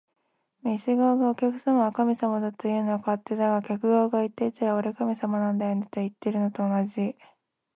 店側が「お客様は神様だ」というのは勝手だが、客側が言っていたら「俺、神様なんだよね」っていってるのと同じ